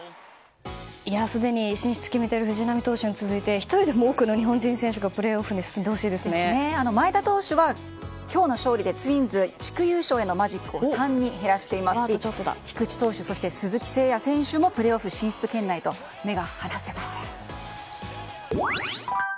すでに進出を決めている藤浪選手に続いて１人でも多くの日本人選手がですね、前田投手の今日の勝利で、ツインズはマジックを３に減らしていますし菊池投手、そして鈴木誠也選手もプレーオフ進出圏内と目が離せません。